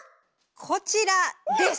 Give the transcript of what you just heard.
こちらです！